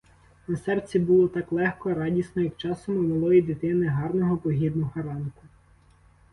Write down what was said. На серці було так легко, радісно, як часом у малої дитини гарного погідного ранку.